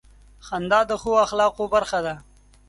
• خندا د ښو اخلاقو برخه ده.